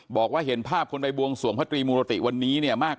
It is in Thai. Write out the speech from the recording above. บอกว่าเห็นภาพคนไปบวงสวงพระตรีมุรติวันนี้เนี่ยมาก